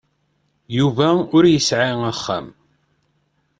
Yuba ur yesɛi axxam.